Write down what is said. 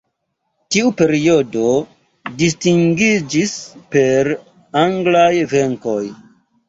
Tiu periodo distingiĝis per anglaj venkoj.